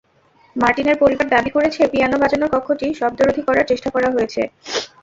মার্টিনের পরিবার দাবি করেছে, পিয়ানো বাজানোর কক্ষটি শব্দরোধী করার চেষ্টা করা হয়েছে।